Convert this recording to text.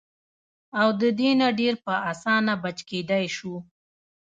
او د دې نه ډېر پۀ اسانه بچ کېدے شو -